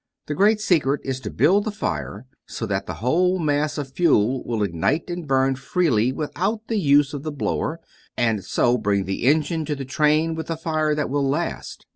The great secret is to build the fire so that the whole mass of fuel will ignite and burn freely without the use of the blower, and so bring the engine to the train with a fire that will last.